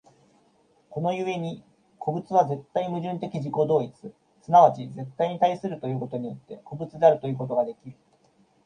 この故に個物は絶対矛盾的自己同一、即ち絶対に対することによって、個物であるということができる。